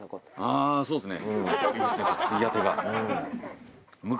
あっそうですか。